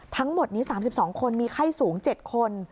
ทั้งหมดนี้๓๒คนมีไข้สูง๗คน